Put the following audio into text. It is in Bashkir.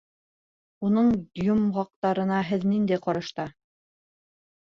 Уның йомғаҡтарына Һеҙ ниндәй ҡарашта?